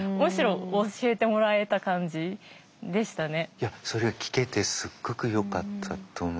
いやそれが聞けてすっごくよかったと思います。